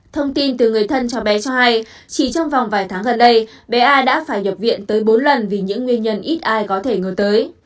thông tin từ người thân cho bé cho hay chỉ trong vòng vài tháng gần đây bé a đã phải nhập viện tới bốn lần vì những nguyên nhân ít ai có thể ngờ tới